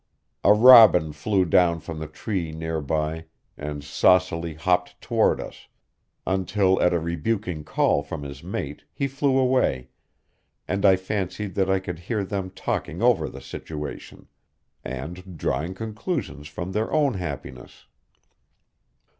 A robin flew down from the tree near by and saucily hopped toward us, until at a rebuking call from his mate he flew away, and I fancied that I could hear them talking over the situation, and drawing conclusions from their own happiness.